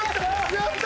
やった！